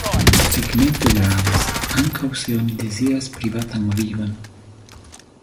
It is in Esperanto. Tegmento gravas ankaŭ se oni deziras privatan vivon.